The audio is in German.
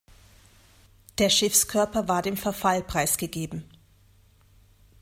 Der Schiffskörper war dem Verfall preisgegeben.